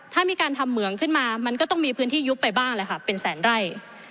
ถ้ามีการทำเหมืองขึ้นมามันก็ต้องมีพื้นที่ยุบไปบ้างแหละค่ะเป็นแสนไร่